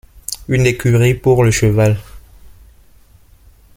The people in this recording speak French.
Une écurie pour le cheval